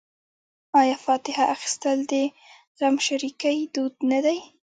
آیا فاتحه اخیستل د غمشریکۍ دود نه دی؟